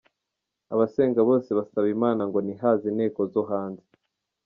Abasenga bose basaba imana ngo ''ntihaze inteko zo hanze".